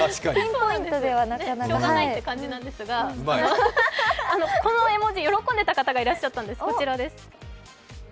しようがないって感じなんですがこの絵文字、喜んでいた方がいらっしゃったんです。